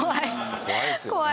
怖いですよね